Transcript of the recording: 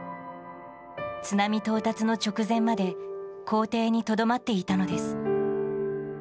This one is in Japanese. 津波到達の直前まで校庭にとどまっていたのです。